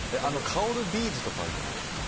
香るビーズとかあるじゃないですか？